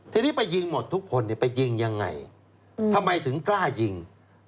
ทีนี้ไปยิงหมดทุกคนไปยิงยังไงทำไมถึงกล้ายิง